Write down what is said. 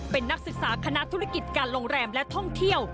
เป็นนักศึกษาคณะธุรกิจการโรงแรมและท่องเที่ยว